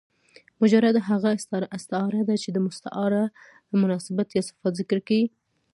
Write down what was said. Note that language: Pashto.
مجرده هغه استعاره ده، چي د مستعارله مناسبات یا صفات ذکر يي.